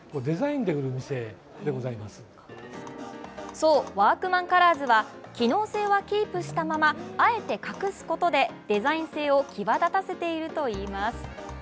そう、ＷｏｒｋｍａｎＣｏｌｏｒｓは機能性はキープしたままあえて隠すことでデザイン性を際立たせているといいます。